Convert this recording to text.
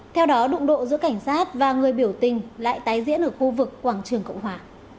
theo đó đụng độ giữa cảnh sát và người biểu tình lại tái diễn ở khu vực quảng trường cộng hòa